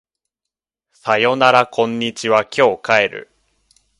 さよならこんにちは今日帰る